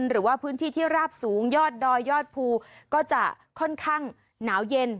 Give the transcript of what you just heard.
หรือว่าพื้นที่ที่ราบสูงยอดดอยยอดภูก็จะค่อนข้างหนาวเย็น